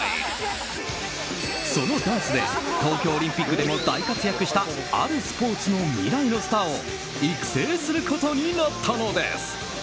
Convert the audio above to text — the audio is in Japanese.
そのダンスで東京オリンピックでも大活躍したあるスポーツの未来のスターを育成することになったのです。